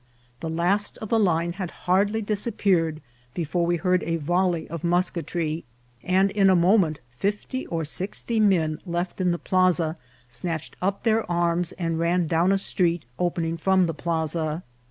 The last of the line had hardly disappeared before we heard a volley of musketry, and in a moment fifty or sixty men left in the plaza snatch ed up their arms and ran down a street opening from the plaza.